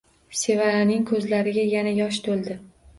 Sevaraning ko`zlariga yana yosh to`ldi